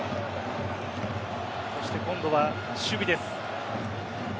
そして今度は守備です。